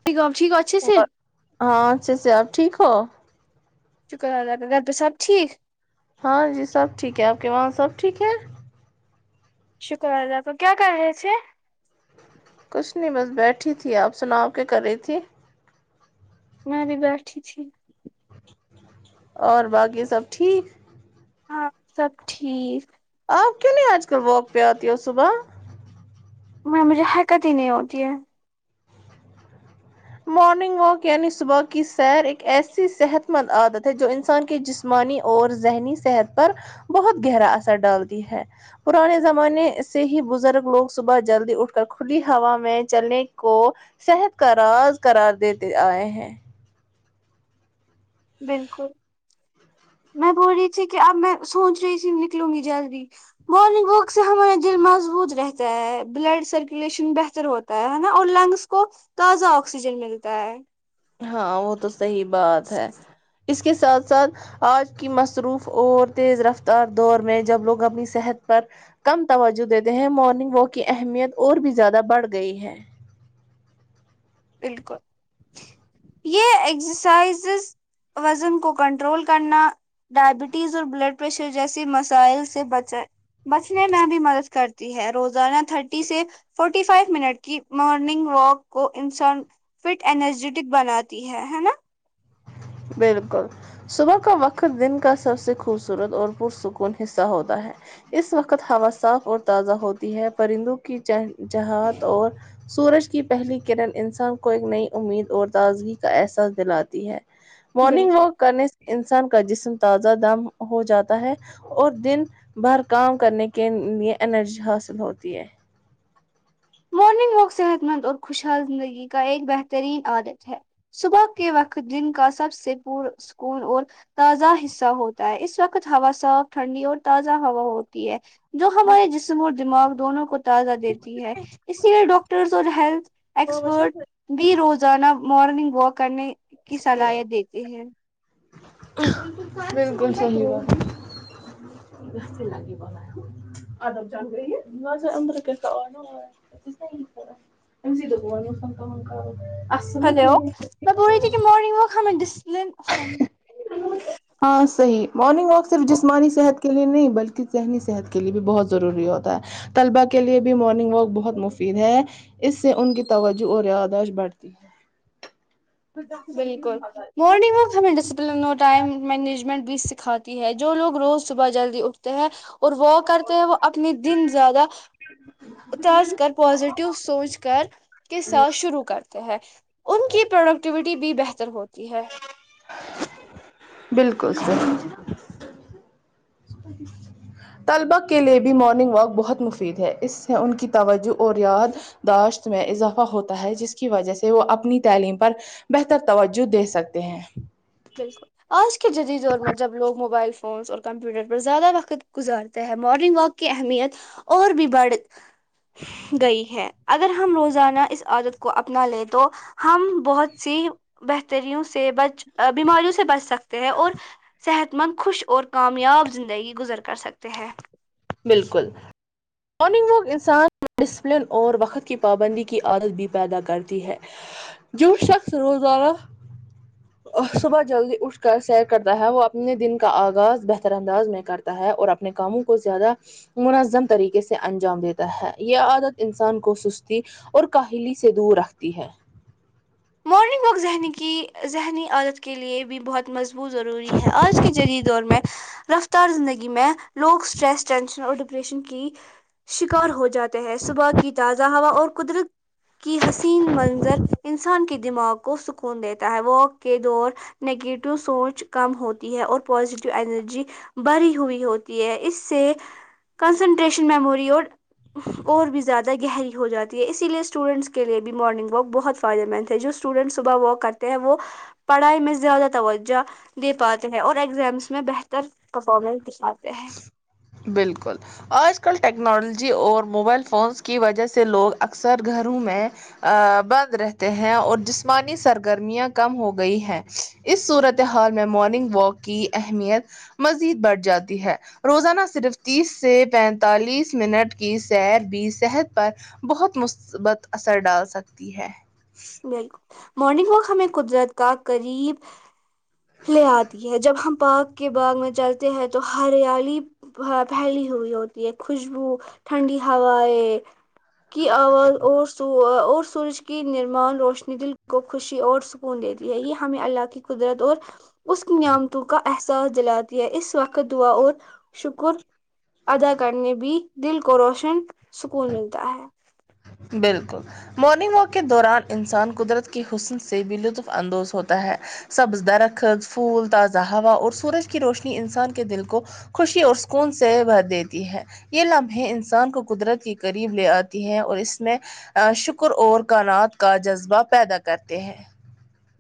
[unintelligible] ہاں اچھا سے اپ ٹھیک ہو شکر ارا ارا تو سب ٹھیک ہاں جی سب ٹھیک ہے اپ کے وہاں سب ٹھیک ہے شکر ادا کیا کر رہے تھے کچھ نہیں بس بیٹھی تھی اپ سنا کیا کر رہی تھی میں بھی بیٹھی تھی اور باقی سب ٹھیک ہاں سب ٹھیک آپ کیو نہیس اج کل واکق پع اتی ہو صبح میں مجھے حرکت ہی نہیں ہوتی ہے مورننگ واک یعنی صبح کی سیر ایک ایسی صحت مند عادت ہے جو انسان کے جس مانی اور ذہنی صحت پر بہت گہرا اثر ڈالتی ہے پرانے زمانے سے ہی بزرگ لوگ صبح جلدی اٹھ کر کھلی ہوا میں چلنے کو صحت کا راز کارار دیتے ائے ہے بالکل میں بول رہی تھی کہ اب میں سوچ رہی تھی نکلوں گی جلدی مارننگ واک سے ہمارا دل مضبوط رہتا ہے بلڈ سرکولیشن بہتر ہوتا ہے نا اور لنگس کو تازہ آکسیجن ملتا ہے ہاں وہ تو صحیح بات ہے اس کے ساتھ ساتھ آج کی مصروف اور تیز رفتار دور میں جب لوگ اپنی صحت پر کم توجہ دیتے ہیں مارننگ واک کی اہمیت اور بھی زیادہ بڑھ گئی ہے بالکل یہ اگزرسائزز وزن کو کنٹرول کرنا ڈائبٹیز اور بلڈ پریشر جیسے مسائل سے بچیں بچنے میں بھی مدد کرتی ہے روزانہ تھرٹی سے فورٹی فائیو منٹ کی مارننگ واک کو انسان فٹ انرجیٹک بناتی ہے ہے نا بالکل صبح کا وقت دن کا سب سے خوبصورت اور پرسکون حصہ ہوتا ہے اس وقت ہوا صاف اور تازہ ہوتی ہے پرندوں کی چہ چہات اور سورج کی پہلی کرن انسان کو ایک نئی امید اور تازگی کا احساس دلاتی ہے مارننگ بالکل واک کرنے سے انسان کا جسم تازہ دم ہو جاتا ہے اور دن بھر کام کرنے کے لیے انرجی حاصل ہوتی ہے مارننگ واک صحت مند اور خوشحال زندگی کا ایک بہترین عادت ہے صبح کے وقت جن کا سب سے پر سکون اور تازہ حصہ ہوتا ہے اس وقت ہوا صاف ٹھنڈی اور تازہ ہوا ہوتی ہے جو ہمارے جسم اور دماغ دونوں کو تازہ دیتی ہے اسی لیے ڈاکٹرس اور ہیلھ بالکل ایکسپرٹ بھی روزانہ مارننگ واک کرنے کی صلاحیت دیتے ہیں بالکل صحیح ہوا [unintelligible] آدب جل رہی ہےدر کیسا [unintelligible] ان سے دب والو وہ سان تمار ہیلو میں بول رہی تھی کے مارننگ واک ہمیں ڈس ہاں صحیح مارننگ واک صرف جسمانی صحت کے لیے نہیں بلکہ ذہنی صحت کے لیے بھی بہت ضروری ہوتا ہے طلبہ کے لیے بھی مارننگ واک بہت مفید ہے اس سے ان کی توجہ اور یاد داشت بڑھتی ہے تو ڈاک سو زدہ ہے مارننگ واک ٹائم مینجمنٹ بھی سکھاتی ہے جو لوگ روز صبح جلدی اٹھتے ہیں اور وہ کرتے ہیں وہ اپنے دن زیادہ اتارج کر پازیٹیو سوچ کر کے ساتھ شروع کرتے ہیں ان کی پروڈکٹیوٹی بھی بہتر ہوتی ہے بالکل صحیح [unintelligible] طلبہ کے لیے بھی مارننگ واک بہت مفید ہے اس سے ان کی توجہ اور یاد داشت میں اضافہ ہوتا ہے جس کی وجہ سے وہ اپنی تعلیم پر بہتر توجہ دے سکتے ہیں بالکل آج کے جدید دور میں جب لوگ موبائل فونس اور کمپیوٹر پر زیادہ وقت گزارتے ہیں مارننگ واک کی اہمیت اور بھی بڑھ گئی ہے اگر ہم روزانہ اس عادت کو اپنا لیں تو ہم بہت سی بہتریوں سے بچ بیماریوں سے بچ سکتے ہیں اور صحت مند خوش اور کامیاب زندگی گزر کر سکتے ہیں بالکل مارننگ واک انسان ڈسپلن اور وقت کی پابندی کی عادت بھی پیدا کرتی ہے جو شاکس روزانہ [inaudible] صبح جلدی اٹھ کر سیر کرتا ہے وہ اپنے دن کا آغاز بہتر انداز میں کرتا تا ہے اور اپنے کاموں کو زیادہ مناظم طریقے سے انجام دیتا ہے یہ عادت انسان کو سستی اور کاہلی سے دور رکھتی ہے مورنگ لوگ ذہنی کی ذہنی عادت کے لیے بھی بہت مضبوط ضروری ہے آج کے جدید دور میں رفتار زندگی میں لوگ سٹریس ٹینشن اور ڈپریشن کی شکار ہو جاتے ہیں صبح کی تازہ ہوا اور قدرت کی حسین منظر انسان کے دماغ کو سکون دیتا ہے واک کے دور نگیٹو سوچ کم ہوتی ہے اور پازیٹیو انرجی بھری ہوئی ہوتی ہے اس سے کنسنٹریشن میموری اور اور بھی زیادہ گہری ہو جاتی ہے اسی لیے اسٹوڈنٹس کے لیے بھی مارننگ ورک بہت زیادہ مین تھے جو اسٹوڈنٹ صبح ورک کرتے تی ہیں وہ پڑھائی میں زیادہ توجہ دے پاتے ہیں اور ایگزامس میں بہتر تر پرفارمنس دکھاتے ہے بالکل آج کل ٹیکنالوجی اور موبائل فونس کی وجہ سے لوگ اکثر گھروں میں ا بند رہتے ہیں اور جسمانی سرگرمیاں کم ہو گئی ہیں اس صورت ے حال مارننگ واک کی اہمیت مزید بڑھ جاتی ہے روزانہ صرف تیس سے پینتالیس منٹ کی سیر بھی صحت پر بہت مثبت اثر ڈال سکتی ہے بالکل مارننگ واک ہمیں قدرت کا قریب لے آتی ہے جب ہم پارک کے باغ میں چلتے ہیں تو ہریالی پھیلی ہوئی ہوتی ہے خوشبو ٹھنڈی ہوائیں کی آواز اور اور سور سورج کی نر مان روشنی دل کو خوشی اور سکون دیتی ہے یہ ہمیں اللہ کی قدرت اور اس نیامتاؤ کا احساس دلاتی ہے اس وقت دعا اور شکر ادا کرنے بھی دل کو روشن سکون ملتا ہے بالکل مارننگ واک کے دوران انسان قدرت کے حسن سے بھی لطف اندوز ہوتا ہے سبز درخت پھول تازہ ہوا اور سورج کی روشنی انسان کے دل کو خوشی اور سکون سے بھر دیتی ہے یہ لمحے انسان کو قدرت کے قریب لے آتی ہے اور اس اس میں شکر اور کائنات کا جذبہ پیدا کرتے ہیں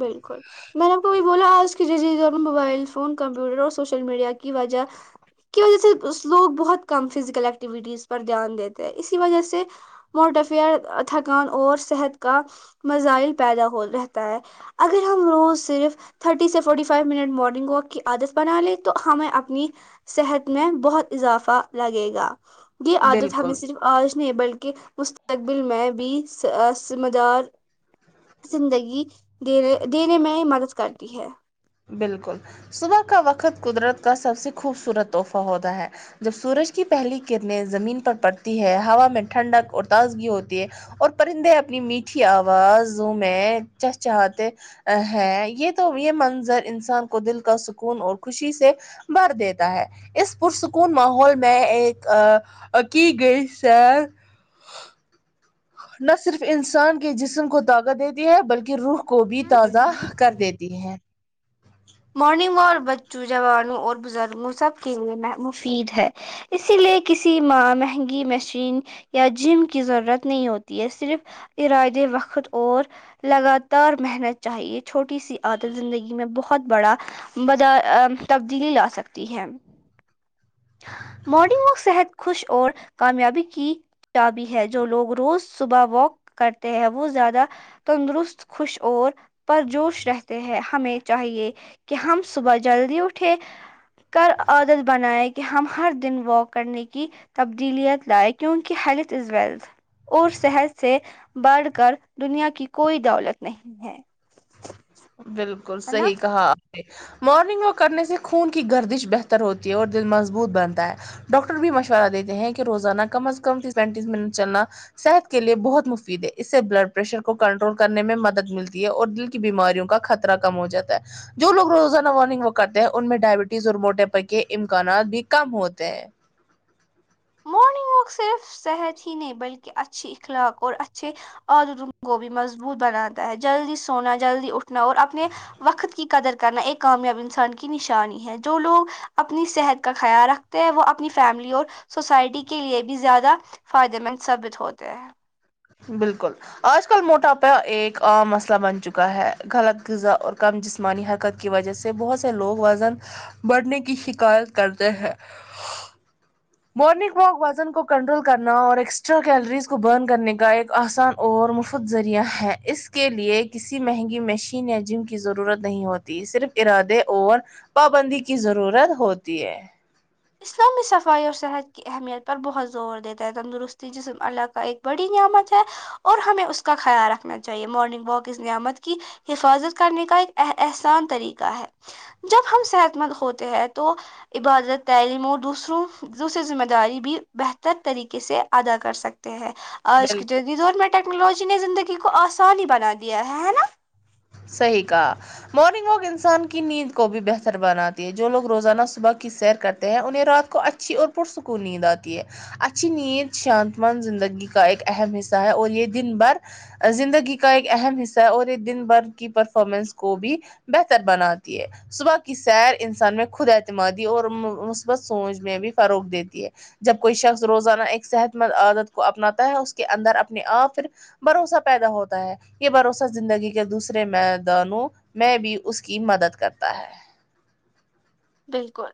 بالکل میں نے آپ کو ابھی بولا آج کی جنریشن موبائل فون کمپیوٹر اور سوشل میڈیا کی وجہ کی وجہ سے لوگ بہت کم فزیکل ایکٹیویٹیز پر دھیان دیتے ہیں اسی وجہ سے موٹافیا تھکان اور صحت کا مزائل پیدا ہو رہتا ہے اگر ہم روز صرف تھرٹی سے forty five minute morning walk کی عادت بنا لے تو ہمیں اپنی صحت میں بہت اضافہ لگے گا یہ عادت ہمیں بالکل صرف آج نہیں بلکہ مستقبل میں بھی سم سمےدار زندگی دینے دینے میں مدد کرتی ہے بالکل صبح کا وقت قدرت کا سب سے خوبصورت تحفہ ہوتا ہے جب سورج کی پہلی کرنیں زمین پر پڑتی ہے ہوا میں ٹھنڈک اور تازگی ہوتی ہے اور پرندے اپنی میٹھی آوازوں میں چہ چہا تے ہے یہ تو یہ منظر انسان کو دل کا سکون اور خوشی سے بھر دیتا ہے اس پرسکون ماحول میں ایک اکی گئی سیر نہ صرف انسان کے جسم کو طاقت دیتی ہے بلکہ روح کو بھی تازہ کر دیتی تی ہے مارننگ و بچوں جوانوں اور بزرگوں سب کے لیے مفید ہے اسی لیے کسی ماں مہنگی مشین یا جم کی ضرورت نہیں ہوتی ہے صرف ارادے وقت اور لگاتار محنت چاہیے چھوٹی سی عادت زندگی میں بہت بڑا بد ا تبدیلی لا سکتی ہے مارننگ واک صحت خوش اور کامیابی کی چابی ہے جو لوگ روز صبح واک کرتے ہیں وہ زیادہ تندرست خوش اور پرجوش رہتے ہیں ہمیں چاہیے کہ ہم صبح جلدی اٹھے کر عادت بناے کہ ہم ہر دن واک کرنے کی تبدیلیت لائے کیونکہ ہیلتھ از ویلتھ اور صحت سے بڑھ کر دنیا کی کوئی دولت نہیں ہے بالکل ہے نا صحیح کہا مارننگ واک کرنے سے خون کی گردش بہتر ہوتی ہے اور دل مضبوط بنتا ہے ڈاکٹر بھی مشورہ دیتے ہیں کہ روزانہ کم از کم تیس پینتیس منٹ چلنا صحت کے لیے بہت مفید ہے اس سے بلڈ پریشر کو کنٹرول کرنے میں مدد ملتی ہے اور دل کی بیماریوں کا خطرہ کم ہو جاتا ہے جو لوگ روزانہ وارننگ و کرتے ہیں ان میں ڈائبٹیز اور موٹے پے کے امکانات بھی کم ہوتے ہیں لوگ صرف صحت ہی نہیں بلکہ اچھی اخلاق اور اچھے عادت ان گو بھی مضبوط بناتا ہے جلدی سونا جلدی اٹھ نا اور اپنے وقت کی قدر کرنا ایک کامیاب انسان کی نشانی ہے جو لوگ اپنی صحت کا خیال رکھتے ہیں وہ اپنی فیملی اور سوسائٹی کے لیے بھی زیادہ فائدے مند ثابت ہوتے ہیں بالکل آج کل موٹاپا ایک عام مسئلہ بن چکا ہے غلط غذا اور کم جسم جسمانی حرکت کی وجہ سے بہت سے لوگ وزن بڑھنے کی شکایت کرتے ہیں مارنگ واک وزن کو کنٹرول کرنا اور ایکسٹرا کیلریز کو برن کرنے ایک آسان اور مفت ذریعہ ہے اس کے لئے کسی مہنگی مشین یا جم کی ضرورت نہیں ہوتی صرف ارادے اور پابندی کی ضرورت ہوتی ہے اسلامی صفائی اور صحت کی اہمیت پر بہت زور دیتا ہے تندرستی جسم اللہ کا ایک بڑی نعمت ہے اور ہمیں اس کا خیال رکھنا چاہیے مارننگ واک کی اس نعمت کی حفاظت کرنے کا ایک اح احسان طریقہ ہے جب ہم صحت مند ہوتے ہیں تو عبادت تعلیم اور دوسروں دوسری ذمہ داری بھی بہتر طریقے سے ادا کر سکتے ہیں آج بالکل کے جس دور میں ٹیکنالوجی نے زندگی کو آسانی بنا دیا ہے ہے نا صحیح کہا مارننگ واک انسان کی نیند کو بھی بہتر بناتی ہے جو لوگ روزانہ صبح کی سیر کرتے ہیں انہیں رات کو اچ چھی اور پرسکون نیند آتی ہے اچھی نینید شانت مند زندگی کا ایک اہم حصہ ہے اور یے دن بھر زندگی کا ایک اہم حصہ ہے اور یے دن بھر کی پرفارمنس کو بھی بہتر بناتی ہے صبح کی سیر انسان میں خود اعتمادی اور مثبت سوچ میں بھی فروغ دیتی ہے جب کوئی شخص روزانہ ایک صحت مند عادت کو اپناتا ہے اس کے اندر اپنے آپ پھر بھروسہ پیدا ہوتا ہے یے بھروسہ زندگی کے دوس رے میدانوں میں بھی اس کی مدد کرتا ہے بالکل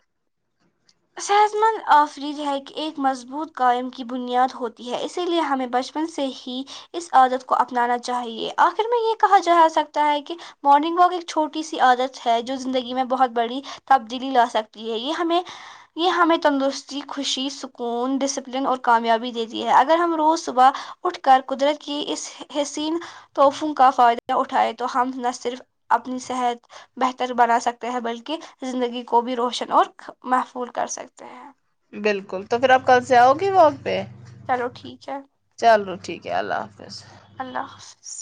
صحت مند آفرید ہے کی ایک مضبوط قائم کی بنیاد ہوتی ہے اسی لیے ہمیں بچ پن سے ہی اس عادت کو اپنانا چاہیے آخر میں یے کہا جا سکتا ہے کی مارننگ واک ایک چھوٹی سی عادت ہے جو زندگی میں بہت بڑی تبدیلی لا سکتی ہے یے ہمیں یے ہمیں تندرستی خوشی سکون ڈسپلن اور کامیابی دیتی ہے اگر ہم روز صبح اٹھ کر قدرت کی اس حسین توفوں کا فائدہ اٹھائے تو ہم نہ صرف اپنی صحت بہتر بنا سکتے ہیں بلکی زندگی کو بھی روشن اور محفول کر سکتے ہیں بالکل تو پھر آپ کل سے آؤ گے ورک پے چلو ٹھیک ہے اللہ حافظ اللہ حافظ